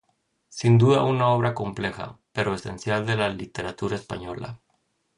Sin duda una obra compleja, pero esencial de la literatura española.